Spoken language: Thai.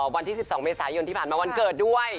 วันที่๑๒เมษายนที่ผ่านมาวันเกิดด้วย